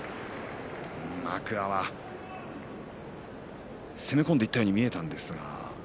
天空海は攻め込んでいったように見えたんですが。